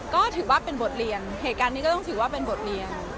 ก็ถือว่าเป็นบทเรียนเหตุการณ์นี้ก็ต้องถือว่าเป็นบทเรียน